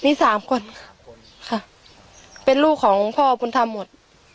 หนีสามคนเป็นลูกของผ้าพูลทำหมด